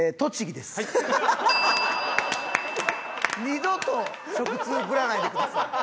二度と食通ぶらないでください。